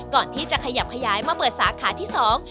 ก่อนที่จะขยับขยายมาเปิดสาขาที่สอง